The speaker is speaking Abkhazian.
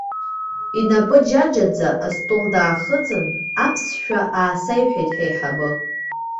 Инапы џаџаӡа астол даахыҵын, аԥсшәа аасеиҳәеит ҳаиҳабы.